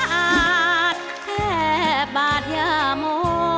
แค่บาทยาโม